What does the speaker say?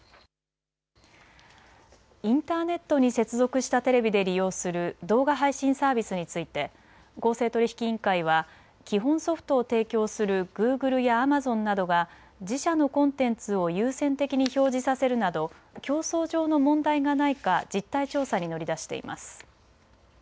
インターネットに接続したテレビで利用する動画配信サービスについて公正取引委員会は基本ソフトを提供するグーグルやアマゾンなどが自社のコンテンツを優先的に表示させるなど競争上の問題がないか実態調査に乗り出しています。